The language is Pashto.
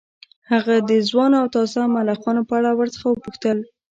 هغه د ځوانو او تازه ملخانو په اړه ورڅخه وپوښتل